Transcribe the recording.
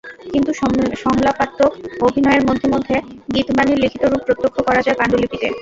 কিন্তু সংলাপাত্মক অভিনয়ের মধ্যে মধ্যে গীতবাণীর লিখিত রূপ প্রত্যক্ষ করা যায় পাণ্ডুলিপিতে।